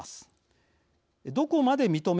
どこまで認め